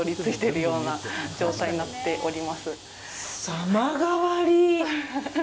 様変わり。